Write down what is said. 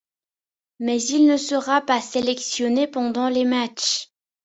Mais il ne sera pas sélectionné pendant les matchs.